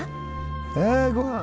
あごはん。